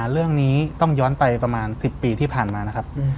เรื่องนี้ต้องย้อนไปประมาณ๑๐ปีที่ผ่านมานะครับ